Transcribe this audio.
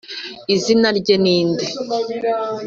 izina rye ni nde